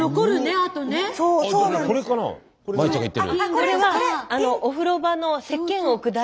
これはお風呂場のせっけんを置く台。